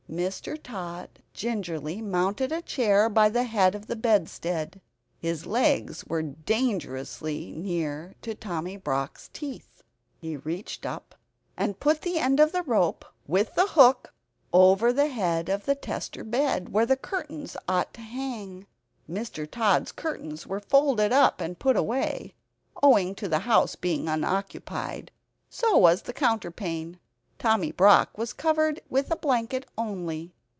Mr. Tod gingerly mounted a chair by the head of the bedstead. His legs were dangerously near to Tommy Brock's teeth. He reached up and put the end of rope, with the hook, over the head of the tester bed, where the curtains ought to hang. (Mr. Tod's curtains were folded up, and put away, owing to the house being unoccupied. So was the counterpane. Tommy Brock was covered with a blanket only.)